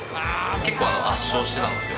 結構、圧勝してたんですよ。